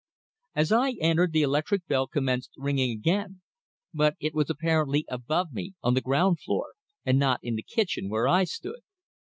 As I entered, the electric bell commenced ringing again, but it was apparently above me, on the ground floor, and not in the kitchen where I stood.